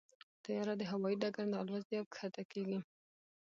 طیاره د هوايي ډګر نه الوزي او کښته کېږي.